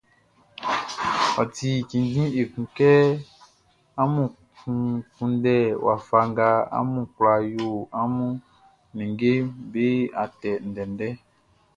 Ɔ ti cinnjin ekun kɛ amun kunndɛ wafa nga amun kwla yo amun ninngeʼm be atɛ ndɛndɛʼn.